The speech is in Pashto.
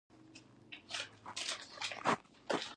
غوا د کرهڼې لپاره مهم حیوان دی.